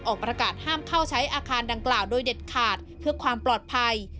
ออกประกาศห้ามเข้าใช้อาคารดังกล่าวโดยเด็ดขาดเพื่อความปลอดภัย